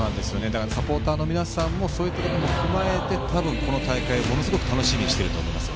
サポーターの皆さんもそういうことも踏まえてこの大会をすごく楽しみにしていると思います。